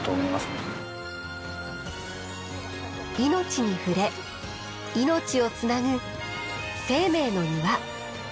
命に触れ命をつなぐ生命の庭。